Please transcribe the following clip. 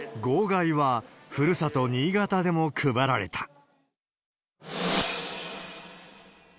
号外は、ふるさと、新潟でも配られた。